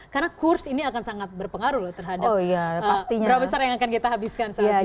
karena kurs ini akan sangat berpengaruh loh terhadap berapa besar yang akan kita habiskan saat berliburan